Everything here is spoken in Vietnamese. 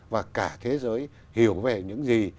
và cả thế giới hiểu về những gì